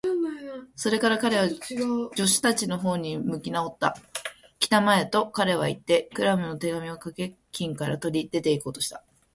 それから彼は、助手たちのほうに向きなおった。「きたまえ！」と、彼はいって、クラムの手紙をかけ金から取り、出ていこうとした。